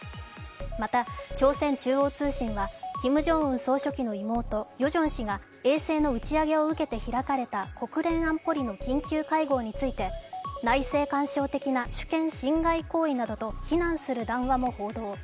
また、朝鮮中央通信はキム・ジョンウン総書記の妹、ヨジョン氏が衛星の打ち上げを受けて開かれた国連安保理の緊急会合について内政干渉的な主権侵害行為などと非難する談話も報道。